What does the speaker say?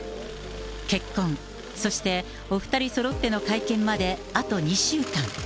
結婚、そしてお２人そろっての会見まであと２週間。